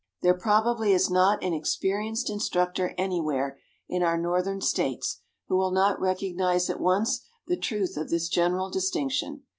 There probably is not an experienced instructor anywhere in our Northern States who will not recognize at once the truth of this general distinction.